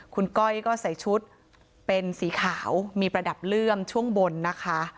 คุณก้อยก็ใส่ชุดเป็นสีขาวมีประดับเลื่อมช่วงบนนะคะ